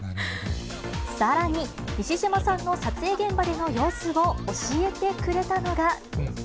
さらに、西島さんの撮影現場での様子を教えてくれたのが。